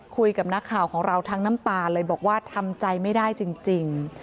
คุยกับนักข่าวของเราทั้งน้ำตาเลยบอกว่าทำใจไม่ได้จริง